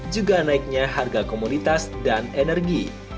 juga naiknya harga komoditas dan energi